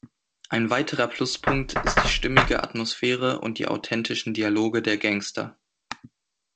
Ein weiterer Pluspunkt ist die stimmige Atmosphäre und die authentischen Dialoge der Gangster.